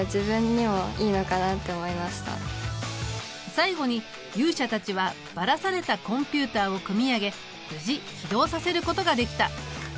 最後に勇者たちはばらされたコンピュータを組み上げ無事起動させることができた。